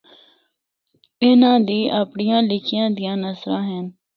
اِناں دی اپنڑیاں لکھیاں دیاں نثراں ہن۔